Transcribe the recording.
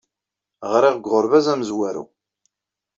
Ɣriɣ deg uɣerbaz amezwaru.